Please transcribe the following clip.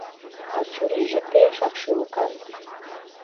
А чурийже пешак шӱлыкан.